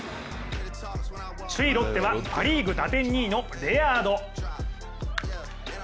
首位ロッテはパ・リーグ打点２位のレアード。